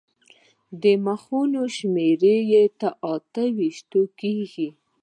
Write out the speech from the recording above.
د مخونو شمېره یې اته ویشت کېږي.